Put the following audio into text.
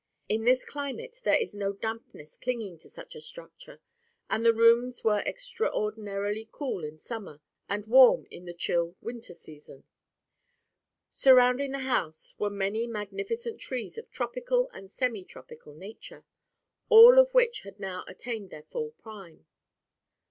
In this climate there is no dampness clinging to such a structure and the rooms were extraordinarily cool in summer and warm in the chill winter season. Surrounding the house were many magnificent trees of tropical and semi tropical nature, all of which had now attained their full prime.